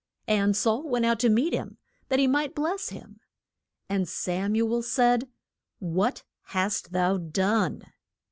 And Saul went out to meet him, that he might bless him. And Sam u el said, What hast thou done?